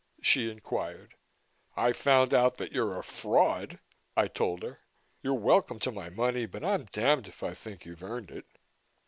she inquired. "I found out that you're a fraud," I told her. "You're welcome to my money but I'm damned if I think you've earned it."